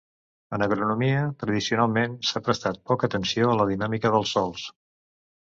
En agronomia, tradicionalment, s'ha prestat poca atenció a la dinàmica dels sòls.